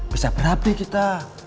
bisa berhapih kita